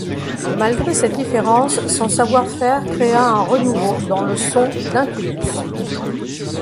Malgré cette différence, son savoir-faire créa un renouveau dans le son d'Incubus.